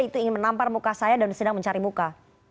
itu ingin menampar muka saya dan sedang mencari muka